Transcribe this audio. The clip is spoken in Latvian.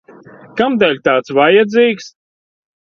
Kamdēļ tāds vajadzīgs?